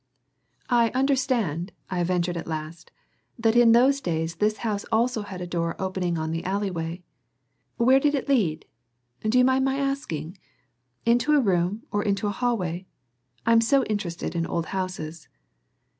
"I understand," I ventured at last, "that in those days this house also had a door opening on the alley way. Where did it lead do you mind my asking? into a room or into a hallway? I am so interested in old houses."